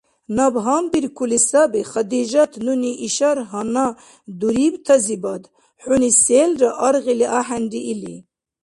Наб гьанбиркули саби, Хадижат, нуни ишар гьанна дурибтазибад хӀуни селра аргъили ахӀенри или.